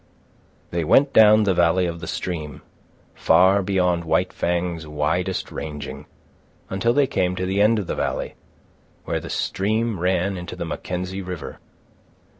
They went down the valley of the stream, far beyond White Fang's widest ranging, until they came to the end of the valley, where the stream ran into the Mackenzie River.